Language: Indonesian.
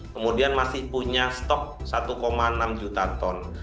kemudian masih punya stok satu enam juta ton